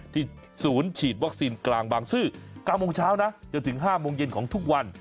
ศูนย์ฉีดวัคซีนกลางบางซื่อ๙โมงเช้านะจนถึง๕โมงเย็นของทุกวัน